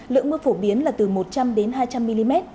lượng mưa phổ biến là từ một trăm linh đến hai trăm linh mm